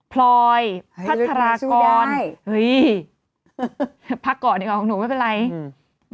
พยพกรของหนูไม่เป็นไรอืม